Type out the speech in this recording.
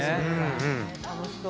楽しそう。